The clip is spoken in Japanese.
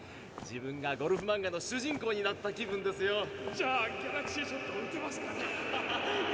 自分がゴルフマンガの主人公になった気分ですよ。